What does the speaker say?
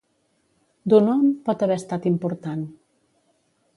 Dunoon pot haver estat important.